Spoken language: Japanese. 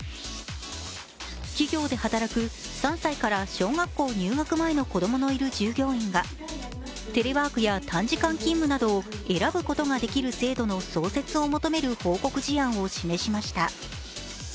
企業で働く３歳から小学校入学前の子供のいる従業員がテレワークや短時間勤務などを選ぶことができる制度の創設を求める報告事案を示しました。